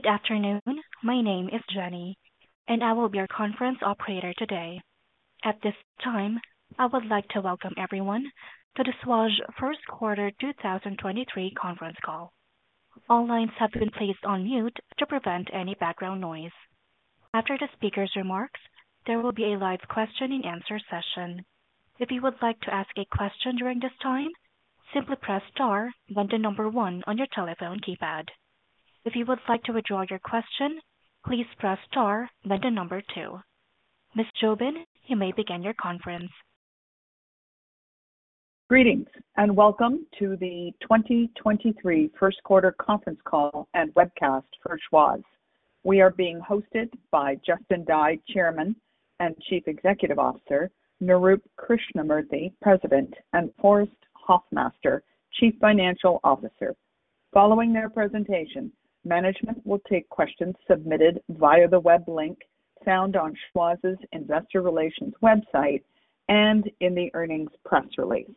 Good afternoon. My name is Jenny. I will be your conference operator today. At this time, I would like to welcome everyone to the Schwazze first quarter 2023 conference call. All lines have been placed on mute to prevent any background noise. After the speaker's remarks, there will be a live question-and-answer session. If you would like to ask a question during this time, simply press star, then the one on your telephone keypad. If you would like to withdraw your question, please press star, then the two. Ms. Jobin, you may begin your conference. Greetings, welcome to the 2023 first quarter conference call and webcast for Schwazze. We are being hosted by Justin Dye, Chairman and Chief Executive Officer; Nirup Krishnamurthy, President; and Forrest Hoffmaster, Chief Financial Officer. Following their presentation, management will take questions submitted via the web link found on Schwazze's investor relations website and in the earnings press release.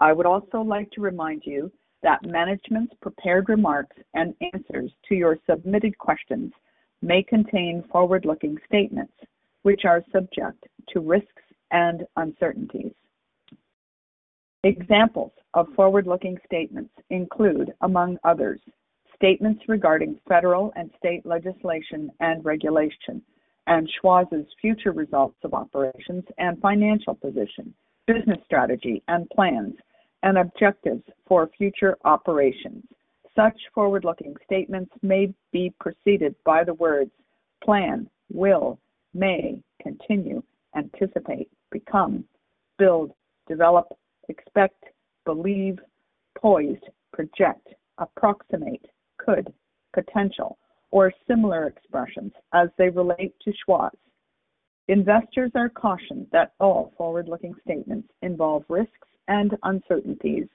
I would also like to remind you that management's prepared remarks and answers to your submitted questions may contain forward-looking statements, which are subject to risks and uncertainties. Examples of forward-looking statements include, among others, statements regarding federal and state legislation and regulation and Schwazze's future results of operations and financial position, business strategy and plans, and objectives for future operations. Such forward-looking statements may be preceded by the words plan, will, may, continue, anticipate, become, build, develop, expect, believe, poised, project, approximate, could, potential, or similar expressions as they relate to Schwazze. Investors are cautioned that all forward-looking statements involve risks and uncertainties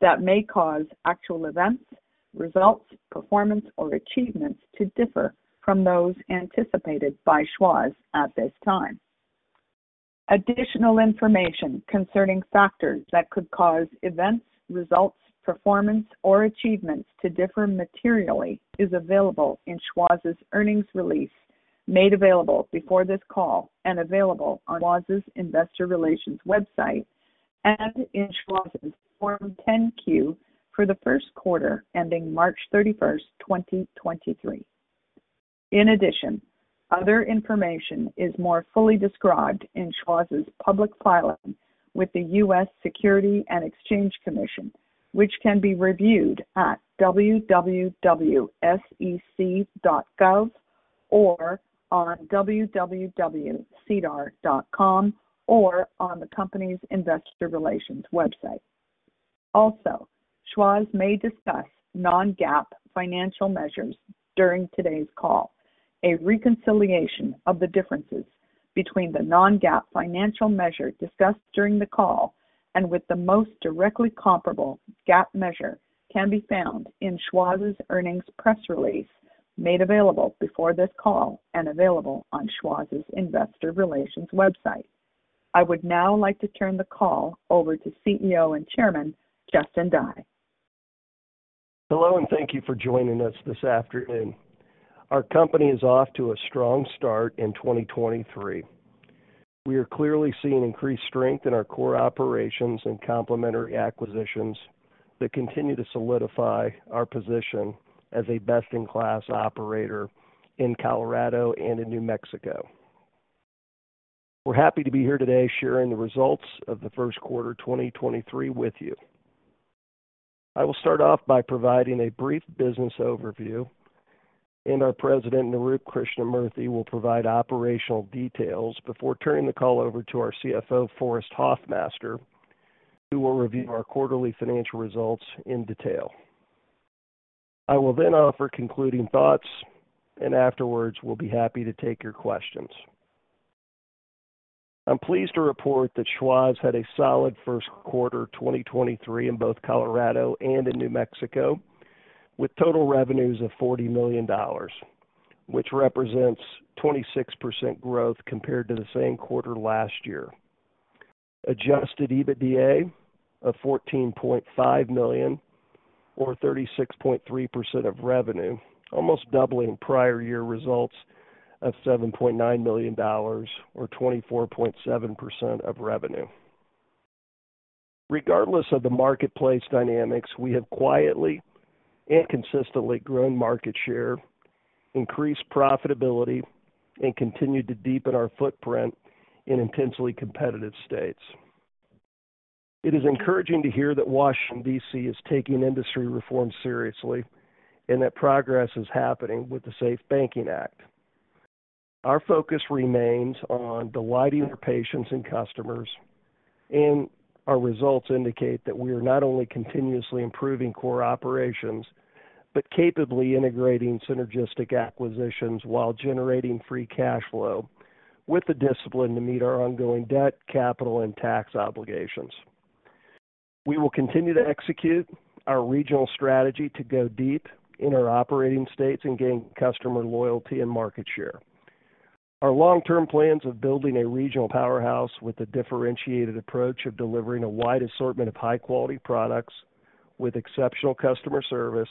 that may cause actual events, results, performance, or achievements to differ from those anticipated by Schwazze at this time. Additional information concerning factors that could cause events, results, performance, or achievements to differ materially is available in Schwazze's earnings release, made available before this call and available on Schwazze's Investor Relations website and in Schwazze's Form 10-Q for the first quarter ending March 31st, 2023. In addition, other information is more fully described in Schwazze's public filing with the US Securities and Exchange Commission, which can be reviewed at www.sec.gov or on www.sedar.com or on the company's investor relations website. Schwazze may discuss non-GAAP financial measures during today's call. A reconciliation of the differences between the non-GAAP financial measure discussed during the call and with the most directly comparable GAAP measure can be found in Schwazze's earnings press release made available before this call and available on Schwazze's Investor Relations website. I would now like to turn the call over to CEO and Chairman, Justin Dye. Hello, thank you for joining us this afternoon. Our company is off to a strong start in 2023. We are clearly seeing increased strength in our core operations and complementary acquisitions that continue to solidify our position as a best-in-class operator in Colorado and in New Mexico. We're happy to be here today sharing the results of the first quarter 2023 with you. I will start off by providing a brief business overview, and our President, Nirup Krishnamurthy, will provide operational details before turning the call over to our CFO, Forrest Hoffmaster, who will review our quarterly financial results in detail. I will then offer concluding thoughts, and afterwards, we'll be happy to take your questions. I'm pleased to report that Schwazze had a solid first quarter 2023 in both Colorado and in New Mexico, with total revenues of $40 million, which represents 26% growth compared to the same quarter last year. Adjusted EBITDA of $14.5 million or 36.3% of revenue, almost doubling prior year results of $7.9 million or 24.7% of revenue. Regardless of the marketplace dynamics, we have quietly and consistently grown market share, increased profitability, and continued to deepen our footprint in intensely competitive states. It is encouraging to hear that Washington D.C. is taking industry reform seriously and that progress is happening with the SAFE Banking Act. Our focus remains on delighting our patients and customers. Our results indicate that we are not only continuously improving core operations, but capably integrating synergistic acquisitions while generating free cash flow with the discipline to meet our ongoing debt, capital, and tax obligations. We will continue to execute our regional strategy to go deep in our operating states and gain customer loyalty and market share. Our long-term plans of building a regional powerhouse with a differentiated approach of delivering a wide assortment of high-quality products with exceptional customer service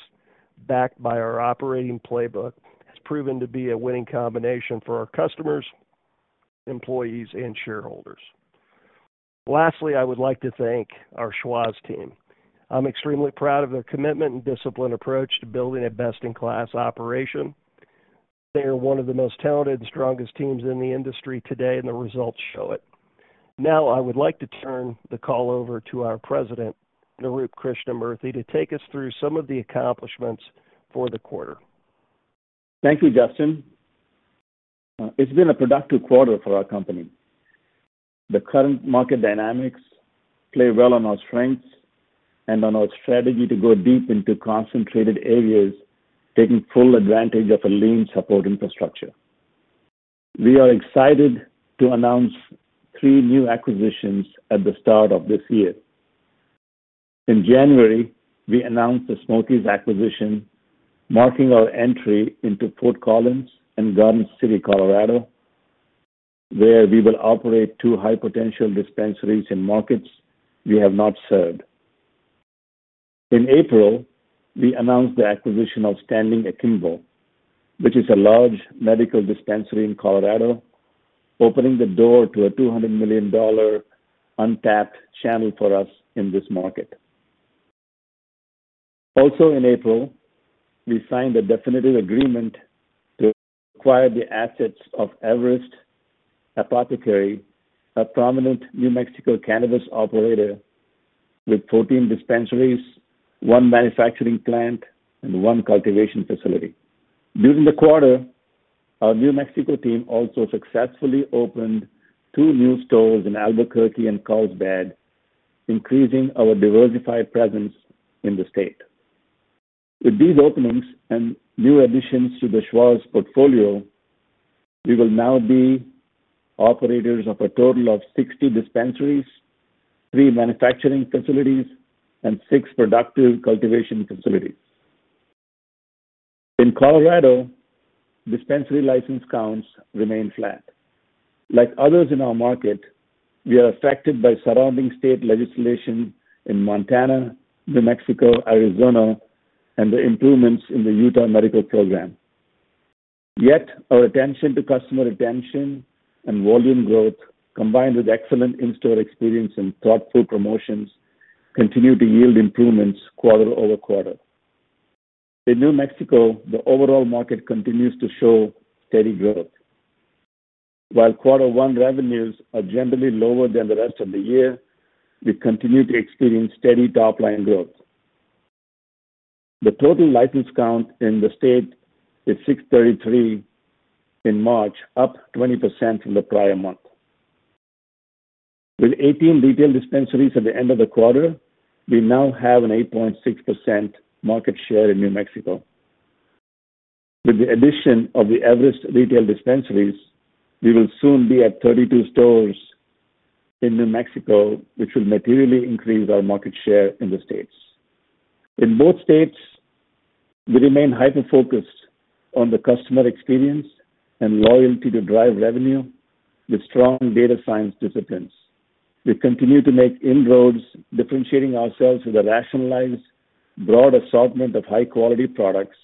backed by our operating playbook has proven to be a winning combination for our customers, employees, and shareholders. Lastly, I would like to thank our Schwazze team. I'm extremely proud of their commitment and disciplined approach to building a best-in-class operation. They are one of the most talented and strongest teams in the industry today, and the results show it. I would like to turn the call over to our President, Nirup Krishnamurthy, to take us through some of the accomplishments for the quarter. Thank you, Justin. It's been a productive quarter for our company. The current market dynamics play well on our strengths, and on our strategy to go deep into concentrated areas, taking full advantage of a lean support infrastructure. We are excited to announce three new acquisitions at the start of this year. In January, we announced the Smokey's acquisition, marking our entry into Fort Collins and Garden City, Colorado, where we will operate two high-potential dispensaries in markets we have not served. In April, we announced the acquisition of Standing Akimbo, which is a large medical dispensary in Colorado, opening the door to a $200 million untapped channel for us in this market. Also in April, we signed a definitive agreement to acquire the assets of Everest Apothecary, a prominent New Mexico cannabis operator with 14 dispensaries, one manufacturing plant, and one cultivation facility. During the quarter, our New Mexico team also successfully opened two new stores in Albuquerque and Carlsbad, increasing our diversified presence in the state. With these openings and new additions to the Schwazze portfolio, we will now be operators of a total of 60 dispensaries, three manufacturing facilities, and six productive cultivation facilities. In Colorado, dispensary license counts remain flat. Like others in our market, we are affected by surrounding state legislation in Montana, New Mexico, Arizona, and the improvements in the Utah medical program. Our attention to customer retention and volume growth, combined with excellent in-store experience and thoughtful promotions, continue to yield improvements quarter-over-quarter. In New Mexico, the overall market continues to show steady growth. While Q1 revenues are generally lower than the rest of the year, we continue to experience steady top-line growth. The total license count in the state is 633 in March, up 20% from the prior month. With 18 retail dispensaries at the end of the quarter, we now have an 8.6% market share in New Mexico. With the addition of the Everest retail dispensaries, we will soon be at 32 stores in New Mexico, which will materially increase our market share in the states. In both states, we remain hyper-focused on the customer experience and loyalty to drive revenue with strong data science disciplines. We continue to make inroads differentiating ourselves with a rationalized, broad assortment of high-quality products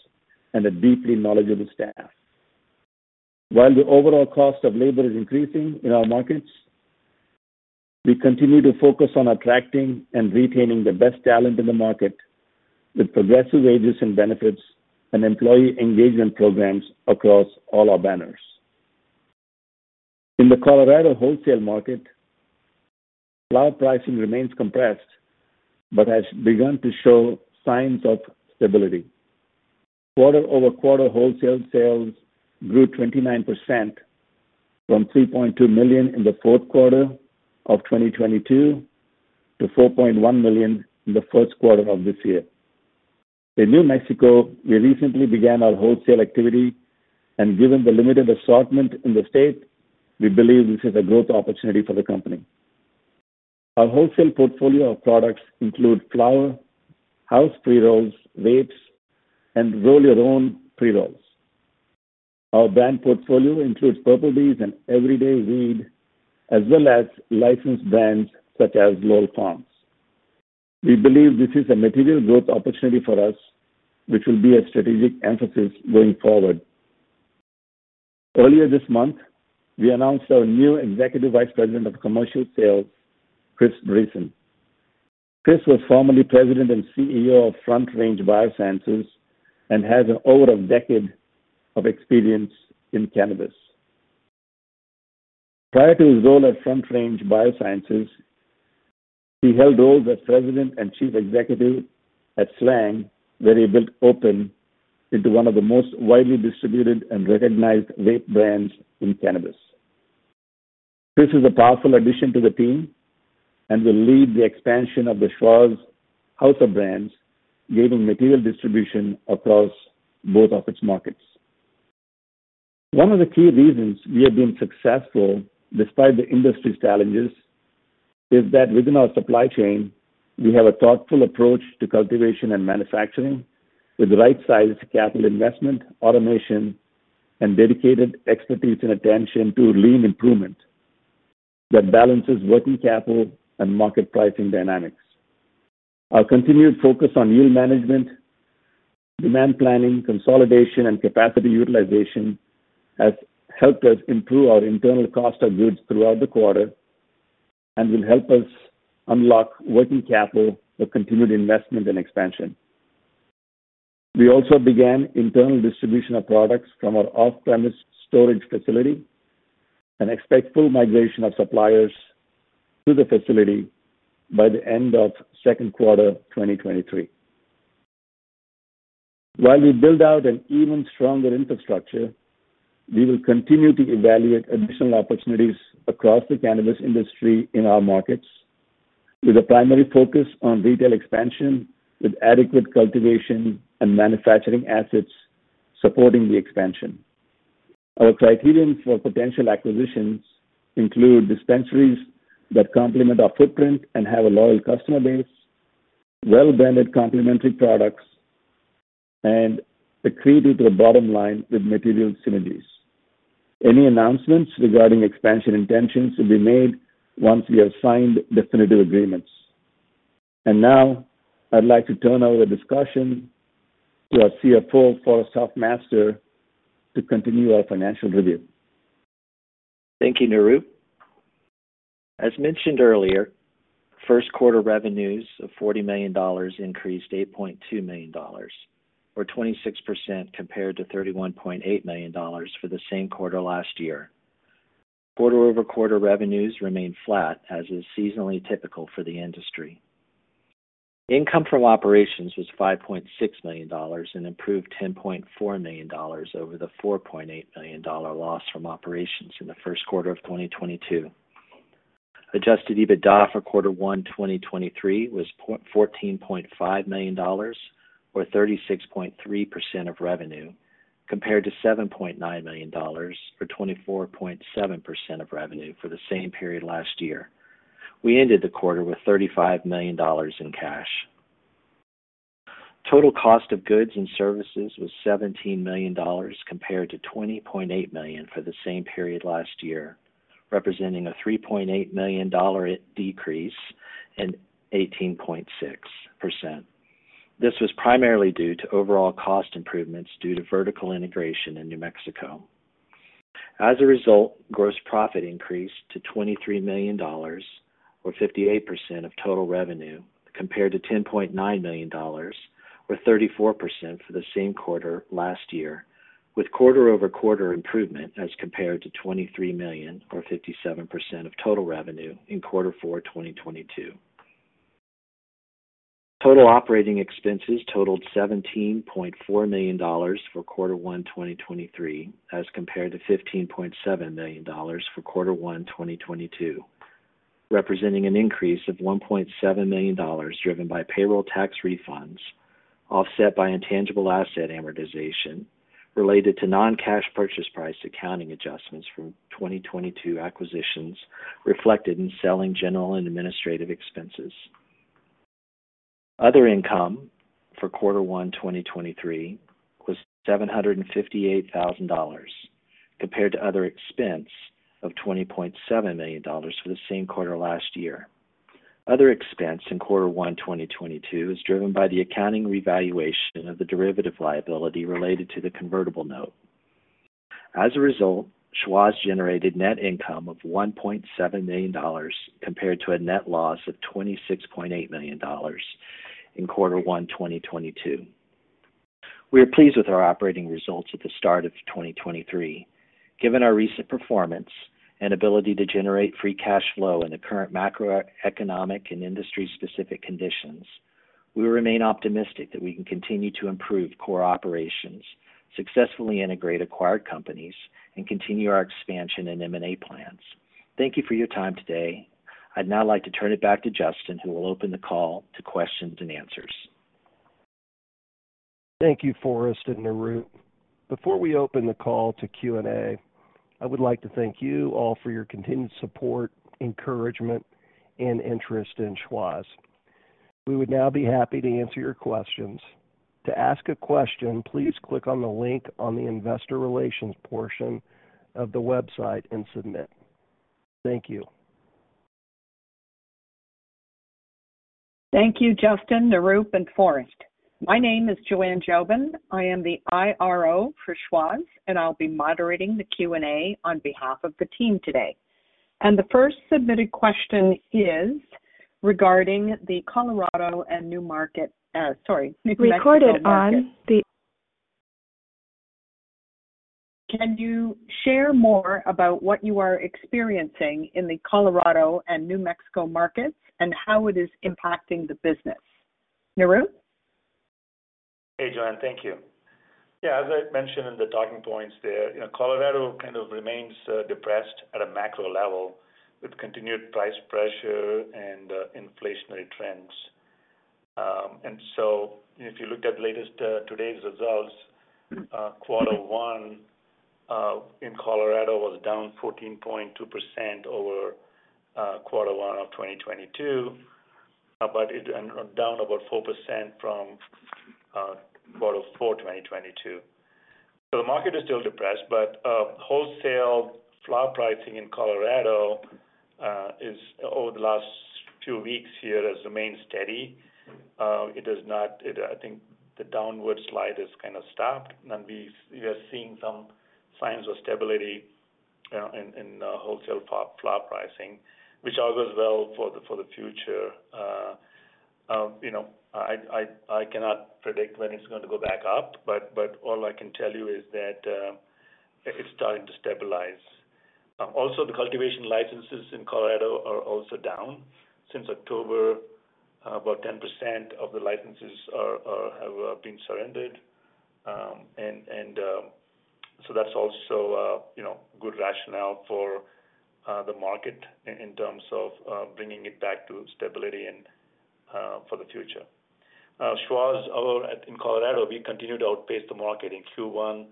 and a deeply knowledgeable staff. While the overall cost of labor is increasing in our markets, we continue to focus on attracting and retaining the best talent in the market with progressive wages and benefits and employee engagement programs across all our banners. In the Colorado wholesale market, flower pricing remains compressed but has begun to show signs of stability. Quarter-over-quarter wholesale sales grew 29% from $3.2 million in the fourth quarter of 2022 to $4.1 million in the first quarter of this year. In New Mexico, we recently began our wholesale activity, given the limited assortment in the state, we believe this is a growth opportunity for the company. Our wholesale portfolio of products include flower, house pre-rolls, vapes, and roll-your-own pre-rolls. Our brand portfolio includes Purple D's and Everyday Weed, as well as licensed brands such as Lowell Farms. We believe this is a material growth opportunity for us, which will be a strategic emphasis going forward. Earlier this month, we announced our new Executive Vice President of Commercial Sales, Chris Bryson. Chris was formerly President and CEO of Front Range Biosciences, and has over a decade of experience in cannabis. Prior to his role at Front Range Biosciences, he held roles as President and Chief Executive at SLANG, where he built Open into one of the most widely distributed and recognized vape brands in cannabis. Chris is a powerful addition to the team, and will lead the expansion of the Schwazze house of brands, gaining material distribution across both of its markets. One of the key reasons we have been successful despite the industry's challenges is that within our supply chain, we have a thoughtful approach to cultivation and manufacturing with right-sized capital investment, automation, and dedicated expertise and attention to lean improvement that balances working capital and market pricing dynamics. Our continued focus on yield management, demand planning, consolidation, and capacity utilization has helped us improve our internal cost of goods throughout the quarter and will help us unlock working capital for continued investment and expansion. We also began internal distribution of products from our off-premise storage facility and expect full migration of suppliers to the facility by the end of second quarter, 2023. While we build out an even stronger infrastructure, we will continue to evaluate additional opportunities across the cannabis industry in our markets with a primary focus on retail expansion with adequate cultivation and manufacturing assets supporting the expansion. Our criterion for potential acquisitions include dispensaries that complement our footprint and have a loyal customer base, well-branded complementary products, and accretive to the bottom line with material synergies. Any announcements regarding expansion intentions will be made once we have signed definitive agreements. Now I'd like to turn over the discussion to our CFO, Forrest Hoffmaster, to continue our financial review. Thank you, Nirup. As mentioned earlier, first quarter revenues of $40 million increased $8.2 million or 26% compared to $31.8 million for the same quarter last year. Quarter-over-quarter revenues remained flat as is seasonally typical for the industry. Income from operations was $5.6 million, an improved $10.4 million over the $4.8 million loss from operations in the first quarter of 2022. Adjusted EBITDA for quarter one, 2023 was $14.5 million or 36.3% of revenue, compared to $7.9 million or 24.7% of revenue for the same period last year. We ended the quarter with $35 million in cash. Total cost of goods and services was $17 million, compared to $20.8 million for the same period last year, representing a $3.8 million decrease and 18.6%. This was primarily due to overall cost improvements due to vertical integration in New Mexico. As a result, gross profit increased to $23 million or 58% of total revenue, compared to $10.9 million or 34% for the same quarter last year, with quarter-over-quarter improvement as compared to $23 million or 57% of total revenue in Q4 2022. Total operating expenses totaled $17.4 million for quarter one, 2023, as compared to $15.7 million for quarter one, 2022, representing an increase of $1.7 million, driven by payroll tax refunds offset by intangible asset amortization related to non-cash purchase price accounting adjustments from 2022 acquisitions reflected in selling, general and administrative expenses. Other income for quarter one, 2023 was $758,000 compared to other expense of $20.7 million for the same quarter last year. Other expense in quarter one, 2022 is driven by the accounting revaluation of the derivative liability related to the convertible note. As a result, Schwazze generated net income of $1.7 million compared to a net loss of $26.8 million in quarter one, 2022. We are pleased with our operating results at the start of 2023. Given our recent performance and ability to generate free cash flow in the current macroeconomic and industry-specific conditions, we remain optimistic that we can continue to improve core operations, successfully integrate acquired companies, and continue our expansion and M&A plans. Thank you for your time today. I'd now like to turn it back to Justin, who will open the call to questions and answers. Thank you, Forrest and Nirup. Before we open the call to Q&A, I would like to thank you all for your continued support, encouragement, and interest in Schwazze. We would now be happy to answer your questions. To ask a question, please click on the link on the investor relations portion of the website and submit. Thank you. Thank you, Justin, Nirup, and Forrest. My name is Joanne Jobin. I am the IRO for Schwazze, and I'll be moderating the Q&A on behalf of the team today. The first submitted question is regarding the Colorado and New Mexico market. Can you share more about what you are experiencing in the Colorado and New Mexico markets, and how it is impacting the business? Nirup? Hey, Joanne, thank you. Yeah, as I mentioned in the talking points there, you know, Colorado kind of remains depressed at a macro level with continued price pressure and inflationary trends. If you looked at latest today's results, Q1 in Colorado was down 14.2% over Q1 of 2022 and down about 4% from Q4, 2022. The market is still depressed, but wholesale flower pricing in Colorado is over the last few weeks here has remained steady. I think the downward slide has kind of stopped, and we are seeing some signs of stability in wholesale flower pricing, which all goes well for the future. You know, I cannot predict when it's going to go back up, but all I can tell you is that it's starting to stabilize. Also the cultivation licenses in Colorado are also down. Since October, about 10% of the licenses have been surrendered. That's also a, you know, good rationale for the market in terms of bringing it back to stability and for the future. Schwazze in Colorado, we continue to outpace the market. In Q1,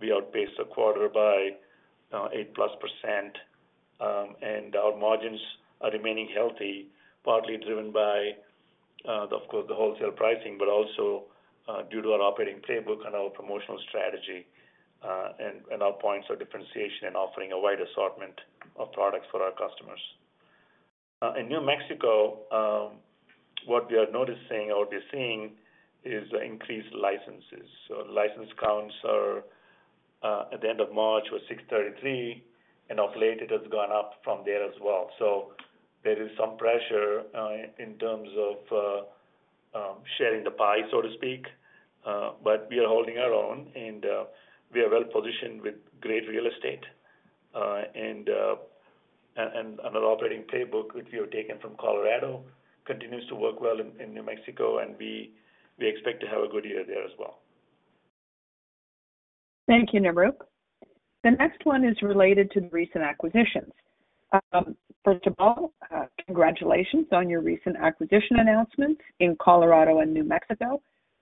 we outpaced the quarter by 8%+, and our margins are remaining healthy, partly driven by, of course, the wholesale pricing, but also due to our operating playbook and our promotional strategy, and our points of differentiation and offering a wide assortment of products for our customers. In New Mexico, what we are noticing or we're seeing is increased licenses. License counts are at the end of March was 633, and of late it has gone up from there as well. There is some pressure in terms of sharing the pie, so to speak. We are holding our own, and we are well positioned with great real estate, and on an operating playbook, which we have taken from Colorado, continues to work well in New Mexico, and we expect to have a good year there as well. Thank you, Nirup. The next one is related to the recent acquisitions. First of all, congratulations on your recent acquisition announcement in Colorado and New Mexico.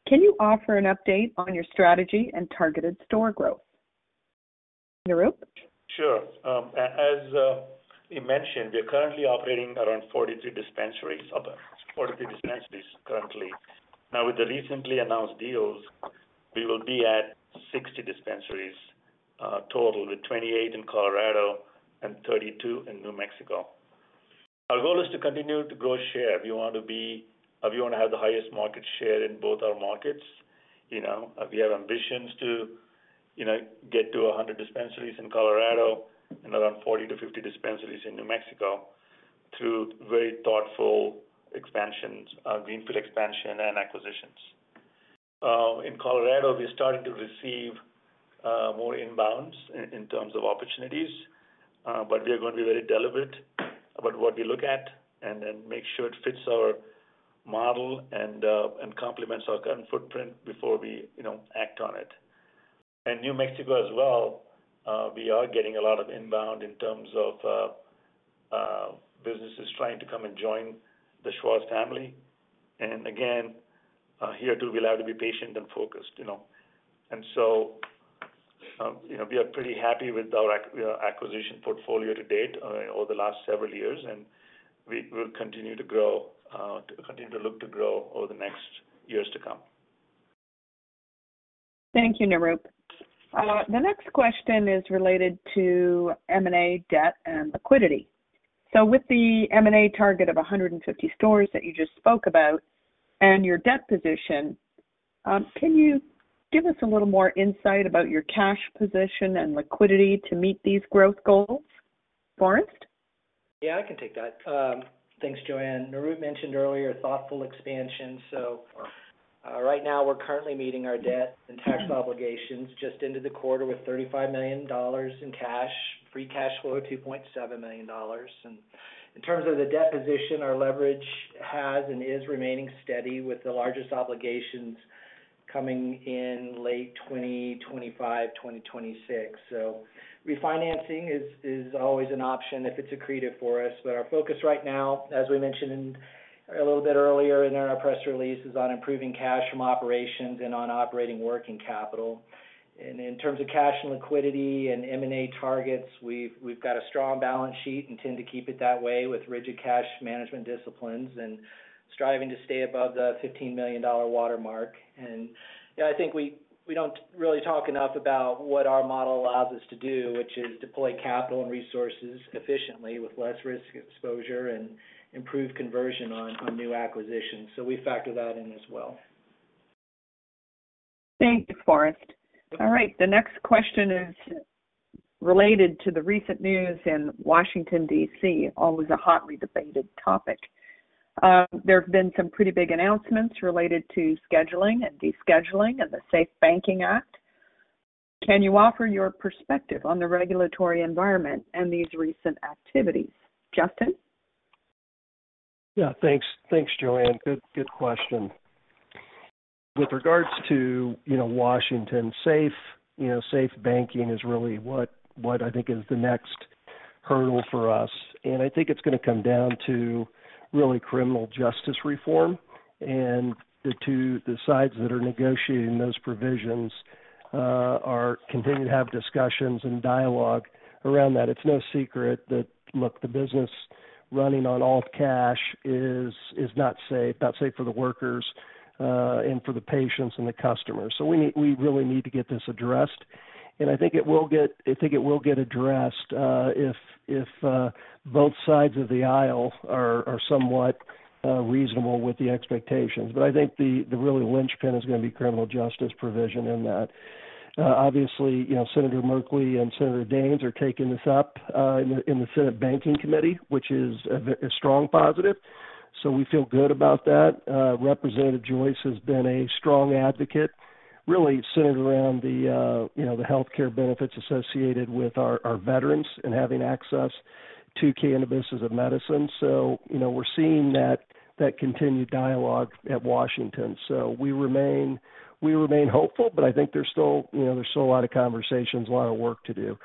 Can you offer an update on your strategy and targeted store growth? Nirup? Sure. As you mentioned, we are currently operating around 43 dispensaries currently. Now, with the recently announced deals, we will be at 60 dispensaries total, with 28 in Colorado and 32 in New Mexico. Our goal is to continue to grow share. We want to have the highest market share in both our markets. You know, we have ambitions to, you know, get to 100 dispensaries in Colorado and around 40-50 dispensaries in New Mexico through very thoughtful expansions, greenfield expansion and acquisitions. In Colorado, we're starting to receive more inbounds in terms of opportunities, but we are going to be very deliberate about what we look at, and then make sure it fits our model and complements our current footprint before we, you know, act on it. In New Mexico as well, we are getting a lot of inbound in terms of businesses trying to come and join the Schwazze family. Again, here too, we'll have to be patient and focused, you know. You know, we are pretty happy with our acquisition portfolio to date, over the last several years, and we will continue to grow, to continue to look to grow over the next years to come. Thank you, Nirup. The next question is related to M&A debt and liquidity. With the M&A target of 150 stores that you just spoke about and your debt position, can you give us a little more insight about your cash position and liquidity to meet these growth goals, Forrest? Yeah, I can take that. Thanks, Joanne. Nirup mentioned earlier thoughtful expansion. Right now we're currently meeting our debt and tax obligations just into the quarter with $35 million in cash, free cash flow of $2.7 million. In terms of the debt position, our leverage has and is remaining steady with the largest obligations coming in late 2025, 2026. Refinancing is always an option if it's accretive for us. Our focus right now, as we mentioned a little bit earlier in our press release, is on improving cash from operations and on operating working capital. In terms of cash and liquidity and M&A targets, we've got a strong balance sheet and tend to keep it that way with rigid cash management disciplines and striving to stay above the $15 million watermark. You know, I think we don't really talk enough about what our model allows us to do, which is deploy capital and resources efficiently with less risk exposure and improved conversion on new acquisitions. We factor that in as well. Thanks, Forrest. All right. The next question is related to the recent news in Washington, D.C., always a hotly debated topic. There have been some pretty big announcements related to scheduling and descheduling of the SAFE Banking Act. Can you offer your perspective on the regulatory environment and these recent activities? Justin? Yeah. Thanks. Thanks, Joanne. Good question. With regards to, you know, Washington SAFE, you know, SAFE Banking is really what I think is the next hurdle for us. I think it's gonna come down to really criminal justice reform, and the sides that are negotiating those provisions are continuing to have discussions and dialogue around that. It's no secret that, look, the business running on all cash is not safe, not safe for the workers and for the patients and the customers. We really need to get this addressed, and I think it will get addressed if both sides of the aisle are somewhat reasonable with the expectations. I think the really linchpin is gonna be criminal justice provision in that. Obviously, you know, Senator Merkley and Senator Daines are taking this up in the Senate Banking Committee, which is a strong positive. We feel good about that. Representative Joyce has been a strong advocate, really centered around, you know, the healthcare benefits associated with our veterans and having access to cannabis as a medicine. You know, we're seeing that continued dialogue at Washington. We remain hopeful. I think there's still, you know, a lot of conversations, a lot of work to do.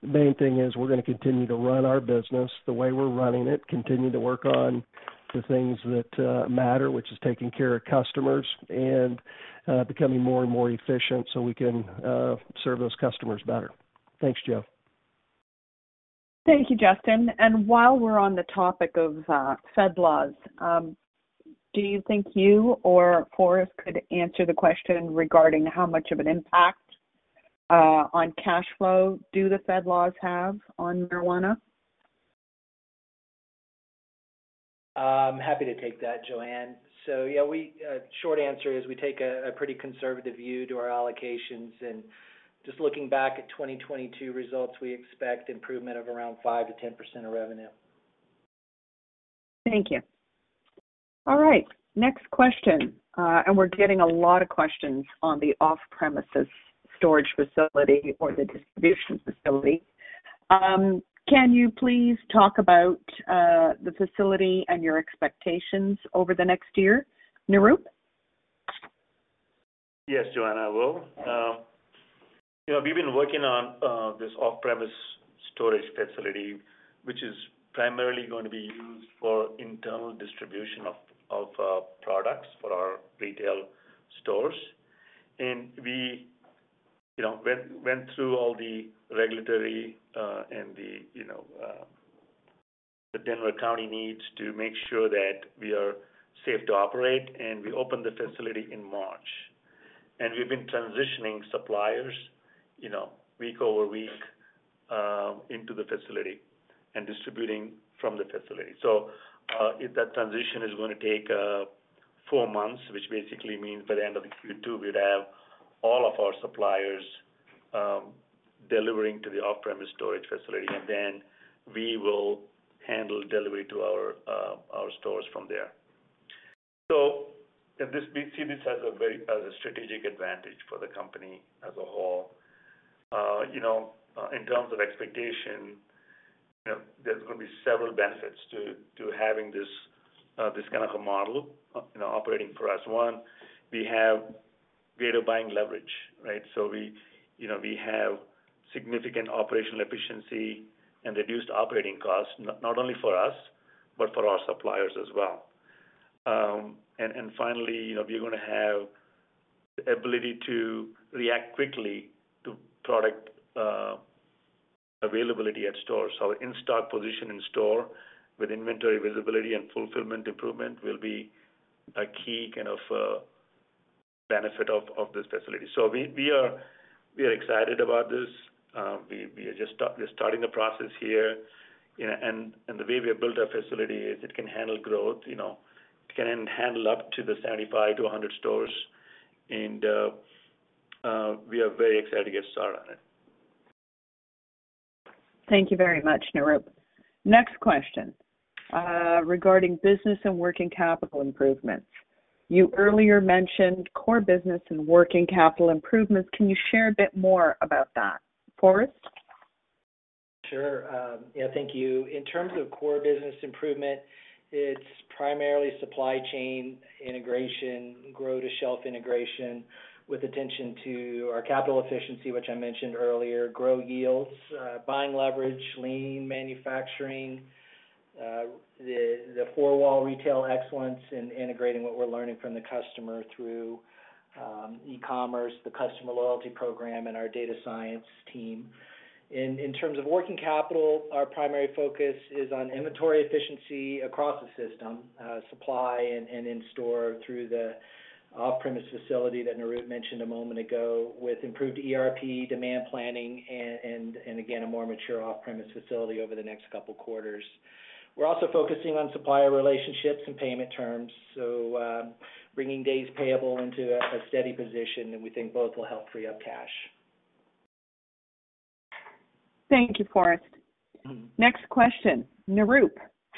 The main thing is we're gonna continue to run our business the way we're running it, continue to work on the things that matter, which is taking care of customers and becoming more and more efficient so we can serve those customers better. Thanks, Jo. Thank you, Justin. While we're on the topic of Fed laws, do you think you or Forrest could answer the question regarding how much of an impact on cash flow do the Fed laws have on marijuana? I'm happy to take that, Joanne. Yeah, we, short answer is we take a pretty conservative view to our allocations. Just looking back at 2022 results, we expect improvement of around 5%-10% of revenue. Thank you. All right, next question. We're getting a lot of questions on the off-premises storage facility or the distribution facility. Can you please talk about the facility and your expectations over the next year? Nirup? Yes, Joanne, I will. You know, we've been working on this off-premise storage facility, which is primarily gonna be used for internal distribution of products for our retail stores. We, you know, went through all the regulatory and the, you know, the Denver County needs to make sure that we are safe to operate, and we opened the facility in March. We've been transitioning suppliers, you know, week over week into the facility and distributing from the facility. That transition is gonna take four months, which basically means by the end of the Q2, we'd have all of our suppliers delivering to the off-premise storage facility, and then we will handle delivery to our stores from there. We see this as a very strategic advantage for the company as a whole. You know, in terms of expectation, you know, there's gonna be several benefits to having this kind of a model, you know, operating for us. One, we have greater buying leverage, right? We, you know, we have significant operational efficiency and reduced operating costs, not only for us, but for our suppliers as well. And finally, you know, we're gonna have the ability to react quickly to product availability at stores. In-stock position in store with inventory visibility and fulfillment improvement will be a key kind of benefit of this facility. We are excited about this. We're starting the process here. You know, the way we have built our facility is it can handle growth, you know. It can handle up to the 75-100 stores, we are very excited to get started on it. Thank you very much, Nirup. Next question, regarding business and working capital improvements. You earlier mentioned core business and working capital improvements. Can you share a bit more about that? Forrest? Sure. Yeah, thank you. In terms of core business improvement, it's primarily supply chain integration, grow-to-shelf integration with attention to our capital efficiency, which I mentioned earlier, grow yields, buying leverage, lean manufacturing, the four-wall retail excellence and integrating what we're learning from the customer through e-commerce, the customer loyalty program, and our data science team. In terms of working capital, our primary focus is on inventory efficiency across the system, supply and in store through the off-premise facility that Nirup mentioned a moment ago, with improved ERP, demand planning and again, a more mature off-premise facility over the next couple quarters. We're also focusing on supplier relationships and payment terms. Bringing days payable into a steady position, and we think both will help free up cash. Thank you, Forrest. Mm-hmm. Next question. Nirup,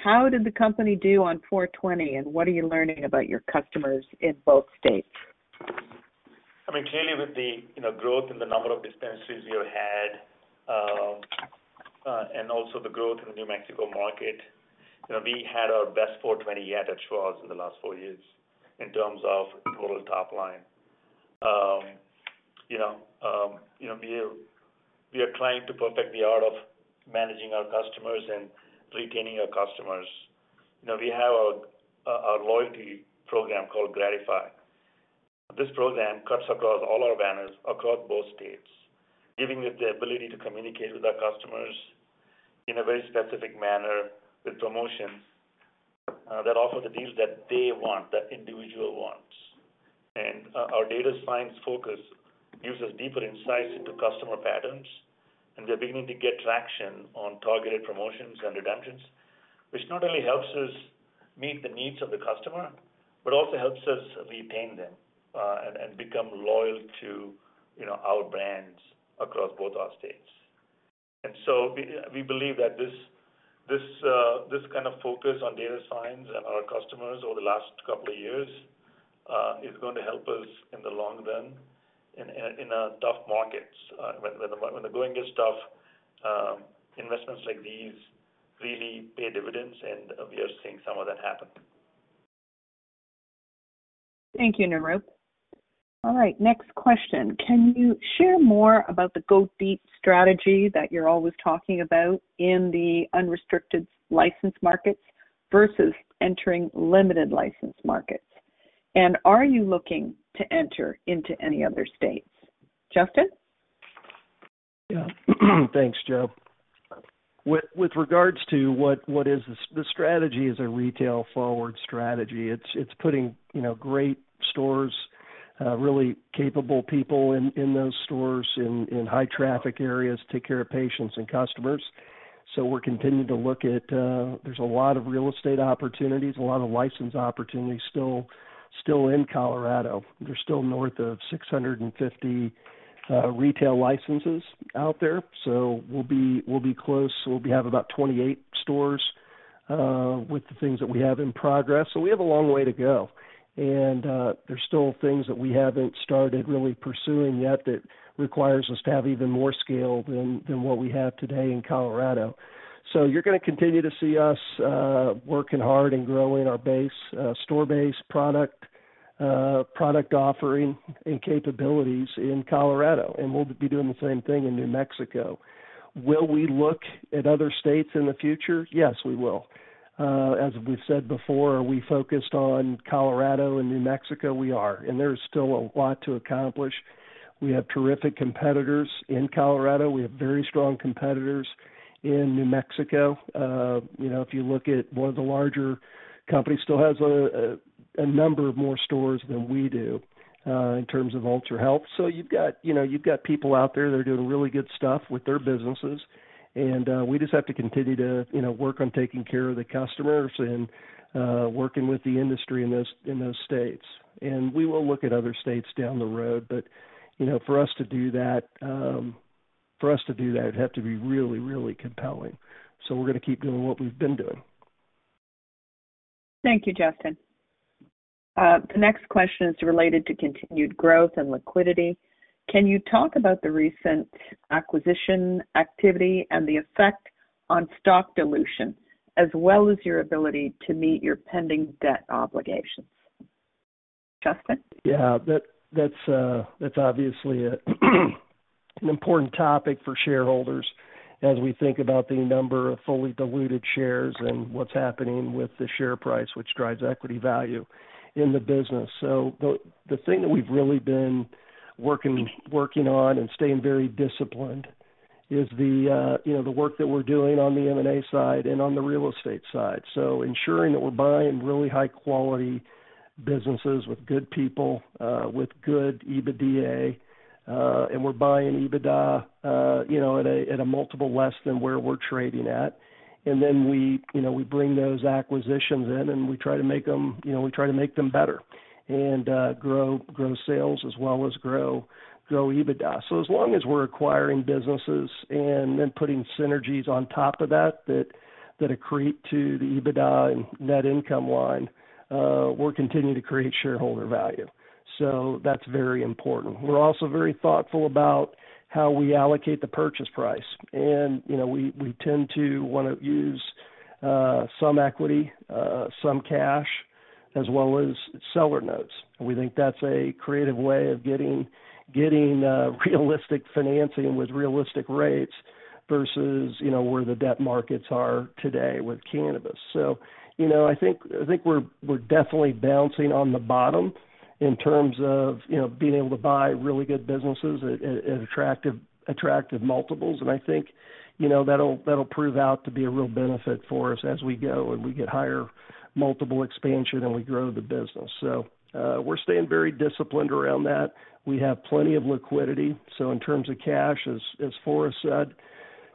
how did the company do on 4/20, and what are you learning about your customers in both states? I mean, clearly with the, you know, growth in the number of dispensaries we have had, and also the growth in the New Mexico market. You know, we had our best 4/20 yet at Schwazze in the last four years in terms of total top line. You know, you know, we are trying to perfect the art of managing our customers and retaining our customers. You know, we have a loyalty program called Gratify. This program cuts across all our banners across both states, giving it the ability to communicate with our customers in a very specific manner with promotions that offer the deals that they want, that individual wants. Our data science focus gives us deeper insights into customer patterns, and we're beginning to get traction on targeted promotions and redemptions, which not only helps us meet the needs of the customer, but also helps us retain them, and become loyal to, you know, our brands across both our states. We believe that this kind of focus on data science and our customers over the last couple of years, is going to help us in the long run in tough markets. When the going gets tough, investments like these really pay dividends, and we are seeing some of that happen. Thank you, Nirup. All right, next question. Can you share more about the go deep strategy that you're always talking about in the unrestricted licensed markets versus entering limited licensed markets? Are you looking to enter into any other states? Justin? Yeah. Thanks, Jo. With regards to what the strategy is a retail-forward strategy. It's putting, you know, great stores, really capable people in those stores in high traffic areas to take care of patients and customers. We're continuing to look at, there's a lot of real estate opportunities, a lot of license opportunities still in Colorado. There's still north of 650 retail licenses out there. We'll be close. We'll be having about 28 stores with the things that we have in progress. We have a long way to go. There's still things that we haven't started really pursuing yet that requires us to have even more scale than what we have today in Colorado. You're gonna continue to see us working hard and growing our base, store base, product offering and capabilities in Colorado, and we'll be doing the same thing in New Mexico. Will we look at other states in the future? Yes, we will. As we've said before, are we focused on Colorado and New Mexico? We are. There is still a lot to accomplish. We have terrific competitors in Colorado. We have very strong competitors in New Mexico. You know, if you look at one of the larger companies still has a number of more stores than we do in terms of Ultra Health. You've got, you know, you've got people out there that are doing really good stuff with their businesses. We just have to continue to, you know, work on taking care of the customers and working with the industry in those states. We will look at other states down the road. You know, for us to do that, it'd have to be really, really compelling. We're gonna keep doing what we've been doing. Thank you, Justin. The next question is related to continued growth and liquidity. Can you talk about the recent acquisition activity and the effect on stock dilution, as well as your ability to meet your pending debt obligations? Justin? That's obviously an important topic for shareholders as we think about the number of fully diluted shares and what's happening with the share price, which drives equity value in the business. The thing that we've really been working on and staying very disciplined is, you know, the work that we're doing on the M&A side and on the real estate side. Ensuring that we're buying really high quality businesses with good people, with good EBITDA, and we're buying EBITDA, you know, at a multiple less than where we're trading at. Then we, you know, we bring those acquisitions in and we try to make them, you know, we try to make them better and grow sales as well as grow EBITDA. As long as we're acquiring businesses and then putting synergies on top of that accrete to the EBITDA and net income line, we're continuing to create shareholder value. That's very important. We're also very thoughtful about how we allocate the purchase price. You know, we tend to wanna use some equity, some cash, as well as seller notes. We think that's a creative way of getting realistic financing with realistic rates versus, you know, where the debt markets are today with cannabis. You know, I think, I think we're definitely bouncing on the bottom in terms of, you know, being able to buy really good businesses at attractive multiples. I think, you know, that'll prove out to be a real benefit for us as we go and we get higher multiple expansion and we grow the business. We're staying very disciplined around that. We have plenty of liquidity. In terms of cash, as Forrest said,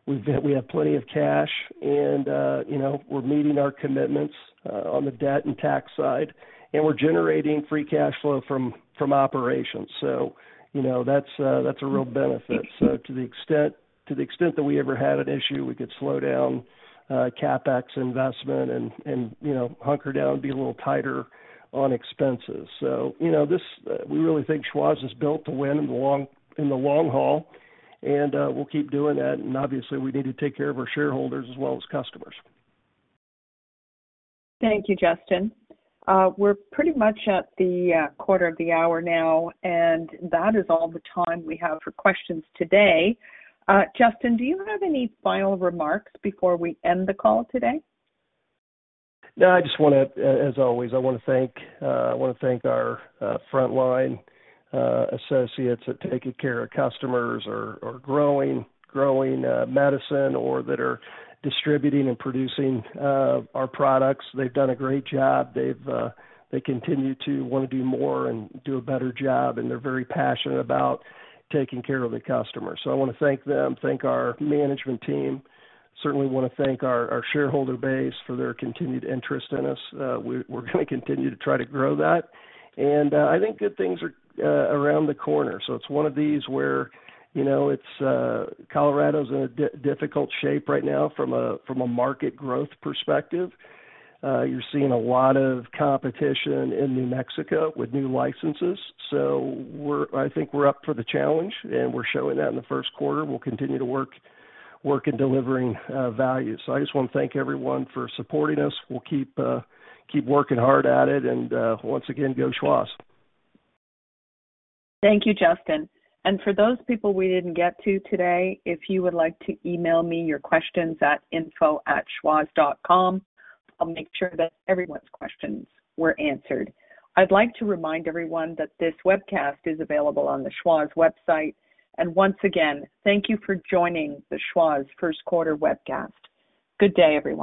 we have plenty of cash and, you know, we're meeting our commitments on the debt and tax side, and we're generating free cash flow from operations. You know, that's a real benefit. To the extent, to the extent that we ever had an issue, we could slow down CapEx investment and, you know, hunker down and be a little tighter on expenses. You know, this, we really think Schwazze is built to win in the long, in the long haul, and we'll keep doing that. Obviously, we need to take care of our shareholders as well as customers. Thank you, Justin. We're pretty much at the quarter of the hour now, and that is all the time we have for questions today. Justin, do you have any final remarks before we end the call today? No, I just wanna, as always, I wanna thank, I wanna thank our frontline associates that are taking care of customers or growing medicine or that are distributing and producing our products. They've done a great job. They've, they continue to wanna do more and do a better job, and they're very passionate about taking care of the customer. I wanna thank them, thank our management team. Certainly wanna thank our shareholder base for their continued interest in us. We're gonna continue to try to grow that. I think good things are around the corner. It's one of these where, you know, it's Colorado's in a difficult shape right now from a market growth perspective. You're seeing a lot of competition in New Mexico with new licenses. I think we're up for the challenge, and we're showing that in the first quarter. We'll continue to work in delivering value. I just wanna thank everyone for supporting us. We'll keep working hard at it. Once again, go Schwazze. Thank you, Justin. For those people we didn't get to today, if you would like to email me your questions at ir@schwazze.com, I'll make sure that everyone's questions were answered. I'd like to remind everyone that this webcast is available on the Schwazze website. Once again, thank you for joining the Schwazze first quarter webcast. Good day, everyone.